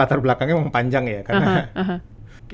latar belakangnya memang panjang ya karena